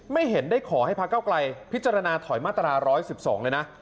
เห็นได้ขอให้พระเก้าไกลพิจารณาถอยมาตรา๑๑๒เลยนะ